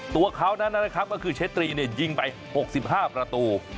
ตัวเขานั้นนะครับก็คือเชตรีเนี่ยยิงไป๖๕ประตู